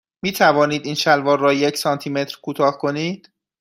می توانید این شلوار را یک سانتی متر کوتاه کنید؟